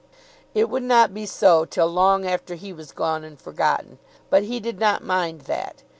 It would not be so till long after he was gone and forgotten, but he did not mind that.